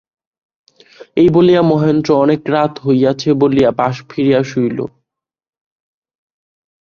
এই বলিয়া মহেন্দ্র অনেক রাত হইয়াছে বলিয়া পাশ ফিরিয়া শুইল।